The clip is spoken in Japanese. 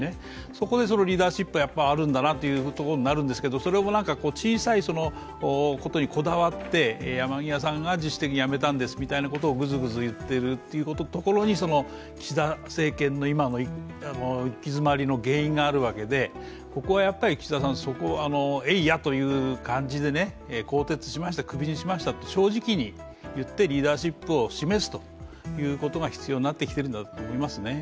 そこでリーダーシップがあるんだなということになりますがそれも小さいことにこだわって山際さんが自主的に辞めたんですとグズグズ言っているところに岸田政権の今の行き詰まりの原因があるわけでここは岸田さん、エイヤッという感じで更迭しました、クビにしましたと正直に言ってリーダーシップを示すということが必要になってきてるんだと思いますね。